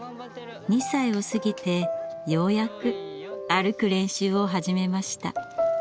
２歳を過ぎてようやく歩く練習を始めました。